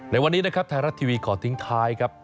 ในวันนี้นะครับไทยรัฐทีวีขอทิ้งท้ายครับ